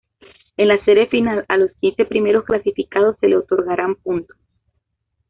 En la serie final a los quince primeros clasificados se les otorgaran puntos.